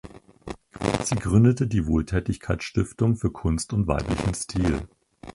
Sie gründete die Wohltätigkeitsstiftung für Kunst und weiblichen Stil.